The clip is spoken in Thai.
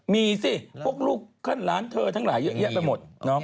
มีสิพวกลูกขึ้นร้านเธอทั้งหลายเยอะแยะไปหมด